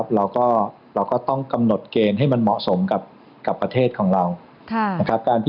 เราก็ต้องกำหนดเกณฑ์ให้มันเหมาะสมกับประเทศของเรานะครับ